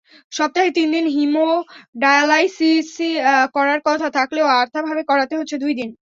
সপ্তাহে তিন দিন হিমোডায়ালাইসিস করার কথা থাকলেও অর্থাভাবে করাতে হচ্ছে দুই দিন।